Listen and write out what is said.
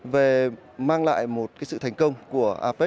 về mang lại một sự thành tựu của quốc tế